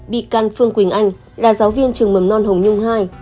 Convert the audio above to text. bị can phương quỳnh anh là giáo viên trường mầm non hồng nhung hai